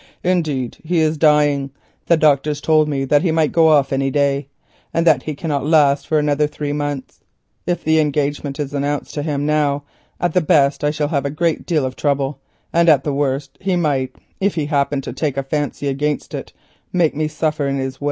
Indeed he is dying; the doctors told me that he might go off any day, and that he cannot last for another three months. If the engagement is announced to him now, at the best I shall have a great deal of trouble, and at the worst he might make me suffer in his will, should he happen to take a fancy against it."